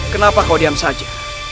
kenapa kau diam saja